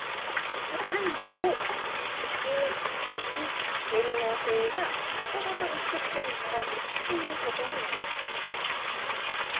太陽、地球、月、天王星がちょうど一直線に並ぶことになるんですね。